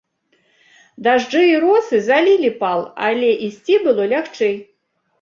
Дажджы і росы залілі пал, але ісці было лягчэй.